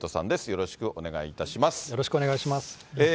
よろしくお願いします。